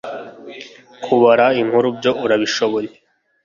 Kubara inkuru byo arabishoboye